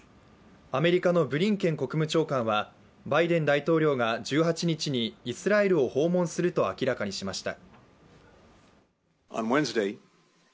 アメリカのブリンケン国務長官はバイデン大統領が１８日にイスラエルを訪問すると明らかにしました。